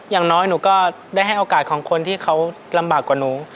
อย่างน้อยหนูก็ได้ให้โอกาสของคนที่เขาลำบากกว่าหนู